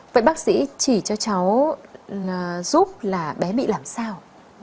vậy bác sĩ chỉ cho cháu giúp là bé bị làm sao